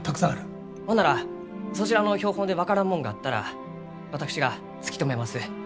ほんならそちらの標本で分からんもんがあったら私が突き止めます。